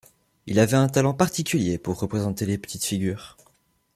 Il avait un talent particulier pour représenter les petites figures.